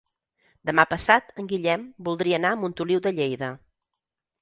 Demà passat en Guillem voldria anar a Montoliu de Lleida.